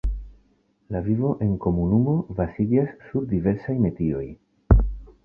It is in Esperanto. La vivo enkomunumo baziĝas sur diversaj metioj.